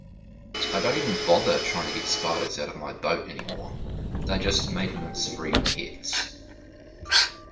I don't even bother trying to get spiders out of my boat anymore, they're just maintenance-free pets.